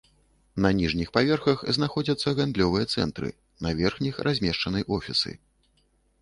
На ніжніх паверхах знаходзяцца гандлёвыя цэнтры, на верхніх размешчаны офісы.